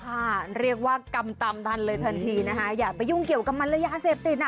ค่ะเรียกว่ากำทันเลยทันทีนะคะอย่าไปยุ่งเกี่ยวกับมันและยาเสพติดนะ